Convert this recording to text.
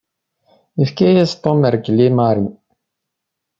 Yefka-yas Tom rrkel i Mary.